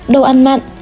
ba đồ ăn mặn